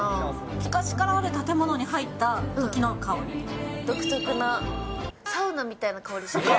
昔からある建物に入ったとき独特な、サウナみたいな香りします。